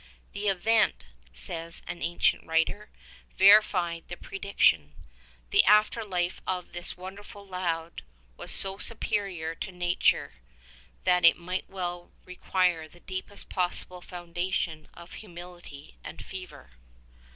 ''The event,'' says an ancient writer, "verified the pre diction. The after life of this wonderful lad was so superior to nature that it might w^ell require the deepest possible foun dation of humility and fervor."